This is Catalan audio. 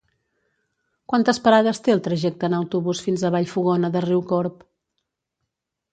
Quantes parades té el trajecte en autobús fins a Vallfogona de Riucorb?